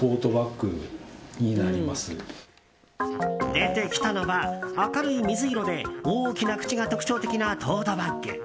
出てきたのは、明るい水色で大きな口が特徴的なトートバッグ。